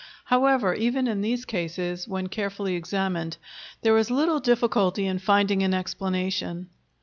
However, even in these cases, when carefully examined, there is little difficulty in finding an explanation.